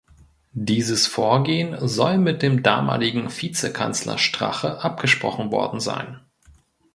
Dieses Vorgehen soll mit dem damaligen Vizekanzler Strache abgesprochen worden sein.